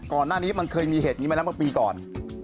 ก่อนหน้านี้มันเคยมีเหตุนี่มาเรียกมาปีก่อน